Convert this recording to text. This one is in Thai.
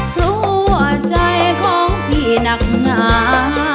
เพราะว่าใจของพี่หนักหนา